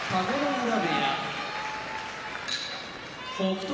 浦部屋北勝